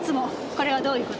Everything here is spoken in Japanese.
これはどういう事？